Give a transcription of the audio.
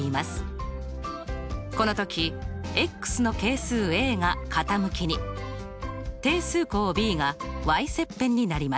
この時の係数が傾きに定数項ｂが切片になります。